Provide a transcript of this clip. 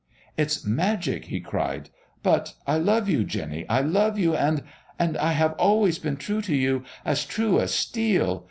"It's magic," he cried, "but I love you, Jinny I love you and and I have always been true to you as true as steel.